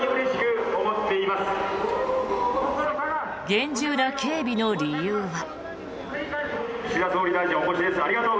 厳重な警備の理由は。